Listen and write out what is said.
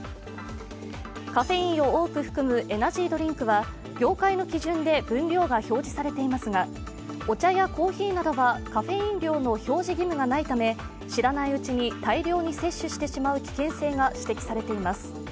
カフェインを多く含むエナジードリンクは業界の基準で分量が表示されていますが、お茶やコーヒーなどはカフェイン量の表示義務がないため知らないうちに大量に摂取してしまう危険性が指摘されています。